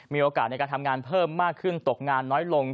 มีโอกาสในการทำงานเพิ่มมากขึ้นตกงานน้อยลง